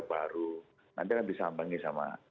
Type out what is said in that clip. baru nanti akan disambangi sama